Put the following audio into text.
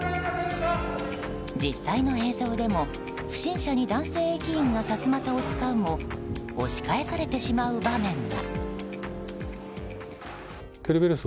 実際の映像でも不審者に男性駅員がさすまたを使うも押し返されてしまう場面が。